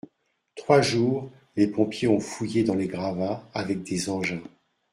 Trois jours, les pompiers ont fouillé dans les gravats, avec des engins